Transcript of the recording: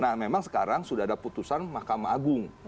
nah memang sekarang sudah ada putusan mahkamah agung